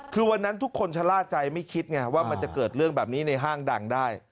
คือวันนั้นทุกคนชะล่าใจไม่คิดไงว่ามันจะเกิดเรื่องแบบนี้ในห้างดังได้